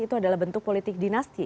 itu adalah bentuk politik dinasti